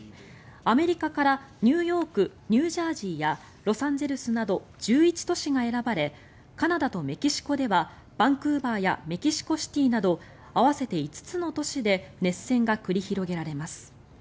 アメリカからニューヨークニュージャージーやロサンゼルスなど１１都市が選ばれカナダとメキシコではバンクーバーやメキシコシティなど合わせて５つの都市で熱戦が繰り広げられます。